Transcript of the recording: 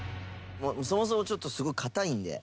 そもそもちょっとすごい硬いんで。